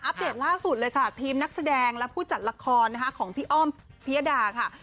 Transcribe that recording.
เดตล่าสุดเลยค่ะทีมนักแสดงและผู้จัดละครของพี่อ้อมพิยดาค่ะ